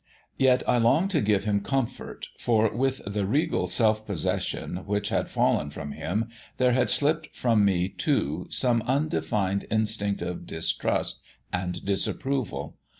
Yet I longed to give him comfort; for, with the regal self possession which had fallen from him, there had slipped from me too some undefined instinct of distrust and disapproval.